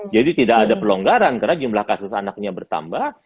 jadi tidak ada pelonggaran karena jumlah kasus anaknya bertambah